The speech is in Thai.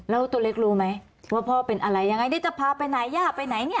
แล้วตัวเล็กรู้ไหมว่าพ่อเป็นอะไรยังไงนี่จะพาไปไหนย่าไปไหนเนี่ย